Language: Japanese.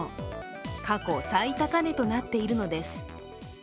過去最高値となっているのです。